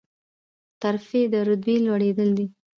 ترفیع د رتبې لوړیدل دي